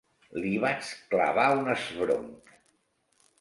Li vaig clavar un esbronc.